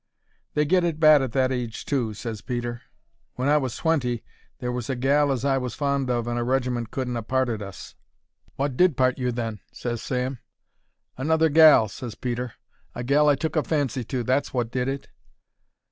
"They get it bad at that age too," ses Peter. "When I was twenty, there was a gal as I was fond of, and a regiment couldn't ha' parted us." "Wot did part you then?" ses Sam. "Another gal," ses Peter; "a gal I took a fancy to, that's wot did it."